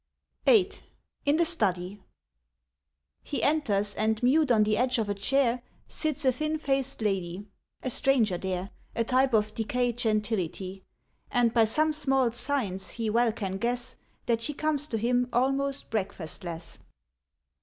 VIII IN THE STUDY HE enters, and mute on the edge of a chair Sits a thin faced lady, a stranger there, A type of decayed gentility; And by some small signs he well can guess That she comes to him almost breakfastless.